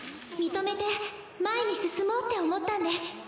認めて前に進もうって思ったんです。